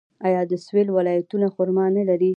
آیا د سویل ولایتونه خرما نلري؟